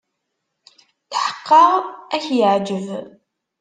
Tḥeqqeɣ ad ak-yeɛjeb.